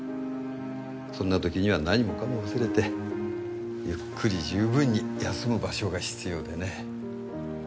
そんな時には何もかも忘れてゆっくり十分に休む場所が必要でね。